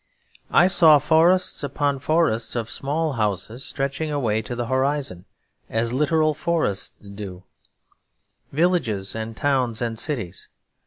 I saw forests upon forests of small houses stretching away to the horizon as literal forests do; villages and towns and cities.